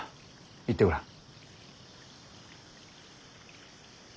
言ってごらん。